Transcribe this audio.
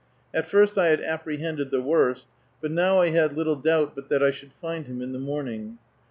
At first I had apprehended the worst, but now I had little doubt but that I should find him in the morning.